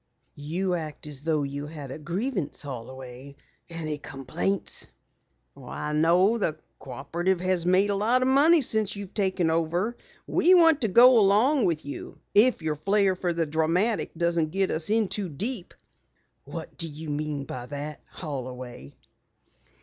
"You act as though you had a grievance, Holloway. Any complaints?" "Why, no, the Cooperative has made a lot of money since you've taken over. We want to go along with you, if your flare for the dramatic doesn't get us in too deep." "What do you mean by that, Holloway?"